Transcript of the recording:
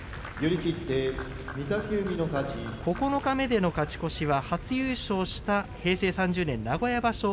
九日目での勝ち越しは初優勝した平成３０年名古屋場所